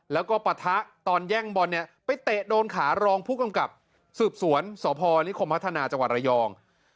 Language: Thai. แล้วก็ปะทะตอนแย่งบอลเนี่ยไปเตะโดนขารองผู้กำกับสืบสวนสพนิคมพัฒนาจังหวัดระยอง